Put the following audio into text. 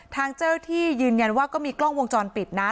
ทางเจ้าที่ยืนยันว่าก็มีกล้องวงจรปิดนะ